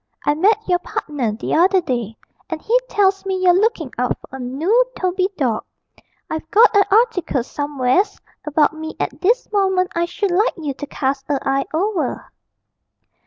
'I met your partner the other day, and he tells me you're looking out for a noo Toby dawg. I've got a article somewheres about me at this moment I should like you to cast a eye over.'